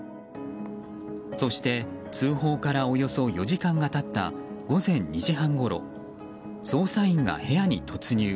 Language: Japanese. そして、通報からおよそ４時間が経った午前２時半ごろ捜査員が部屋に突入。